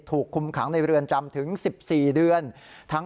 ถูกคุมขังในเรือนจำถึง๑๔เดือน